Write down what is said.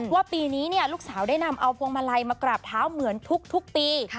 ว่าปีนี้ลูกสาวได้นำเอาพวงมาลัยมากราบเท้าเหมือนทุกปี